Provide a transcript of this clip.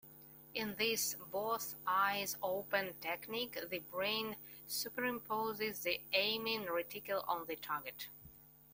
In this both-eyes-open technique the brain superimposes the aiming reticle on the target.